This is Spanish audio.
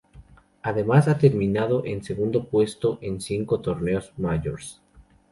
Además ha terminado en segundo puesto en cinco Torneos majors.